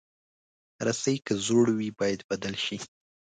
رسۍ که زوړ وي، باید بدل شي.